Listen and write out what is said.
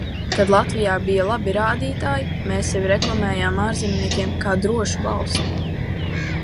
Kad Latvijā bija labi rādītāji, mēs sevi reklamējām ārzemniekiem kā drošu valsti.